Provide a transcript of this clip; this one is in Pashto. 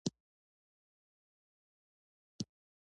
انسانان تر تولد وروسته د روزنې او تغذیې لپاره وړتیا لري.